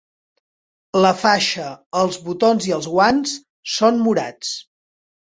La faixa, els botons i els guants són morats.